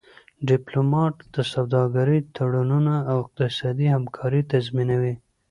ډيپلومات د سوداګری تړونونه او اقتصادي همکاری تنظیموي.